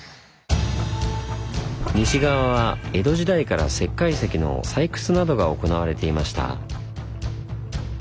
西側は江戸時代から石灰石の採掘などが行われていました。